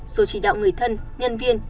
rồi chỉ đạo người thân nhân viên